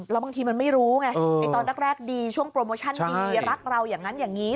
แล้วบางทีมันไม่รู้ไงตอนแรกดีช่วงโปรโมชั่นดีรักเราอย่างนั้นอย่างนี้